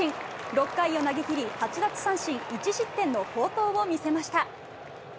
６回を投げ切り、８奪三振１失点の好投を見せました。